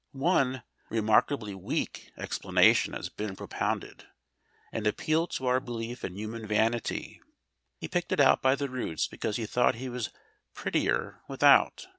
One remarkably weak explanation has been propounded: an appeal to our belief in human vanity. He picked it out by the roots, because he thought he was prettier without.